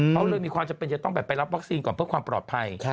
เขาเลยมีความจำเป็นจะต้องแบบไปรับวัคซีนก่อนเพื่อความปลอดภัย